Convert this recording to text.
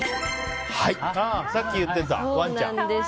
さっき言ってたワンちゃん。